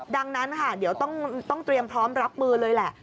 ดังนั้นค่ะเดี๋ยวต้องเตรียมพร้อมรับมือเลยแหละ